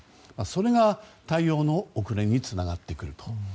それが対応の遅れにつながってくると。